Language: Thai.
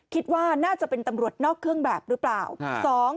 คิดว่าน่าจะเป็นตำรวจนอกเครื่องแบบหรือเปล่า